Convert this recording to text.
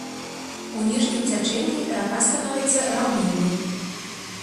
У ніжнім цячэнні рака становіцца раўніннай.